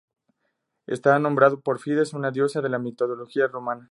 Está nombrado por Fides, una diosa de la mitología romana.